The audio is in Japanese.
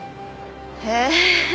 へえ。